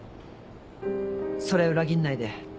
それ裏切んないで。